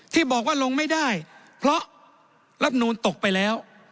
ที่บอกว่าลงไม่ได้เพราะรับนูลตกไปแล้ว